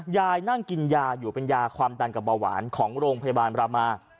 นั่งกินยาอยู่เป็นยาความดันกับเบาหวานของโรงพยาบาลรามา